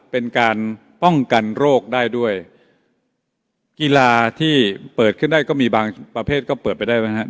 เป็นการป้องกันโรคได้ด้วยกีฬาที่เปิดขึ้นได้ก็มีบางประเภทก็เปิดไปได้ไหมครับ